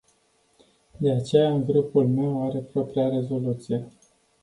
De aceea, grupul meu are propria rezoluție.